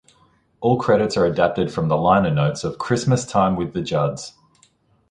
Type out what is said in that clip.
All credits are adapted from the liner notes of "Christmas Time with The Judds".